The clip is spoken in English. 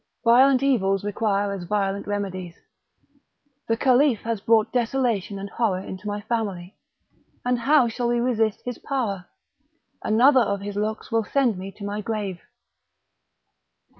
violent evils require as violent remedies; the Caliph has brought desolation and horror into my family, and how shall we resist his power? another of his looks will send me to my grave.